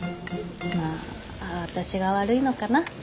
まあ私が悪いのかな。